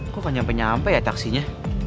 kok gak nyampe nyampe ya taksinya